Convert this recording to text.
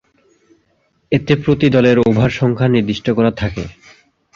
এতে প্রতি দলের ওভার সংখ্যা নির্দিষ্ট করা থাকে।